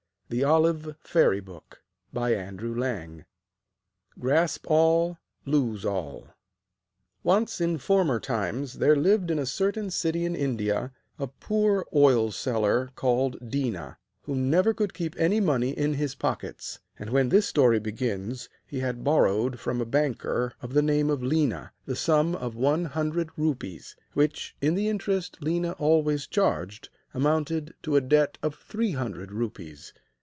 (From Contes Arméniens. Par Frédéric Macler.) GRASP ALL, LOSE ALL Once, in former times, there lived in a certain city in India a poor oil seller, called Déna, who never could keep any money in his pockets; and when this story begins he had borrowed from a banker, of the name of Léna, the sum of one hundred rupees; which, with the interest Léna always charged, amounted to a debt of three hundred rupees.